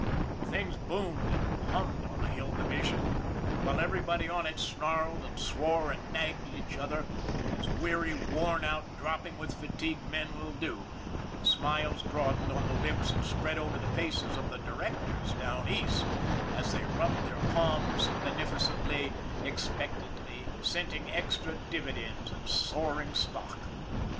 Things boomed and hummed on the Hill Division, and while everybody on it snarled and swore and nagged at each other, as weary, worn out, dropping with fatigue men will do, the smiles broadened on the lips and spread over the faces of the directors down East, as they rubbed their palms beneficently, ex pectantly, scenting extra dividends and soaring stock.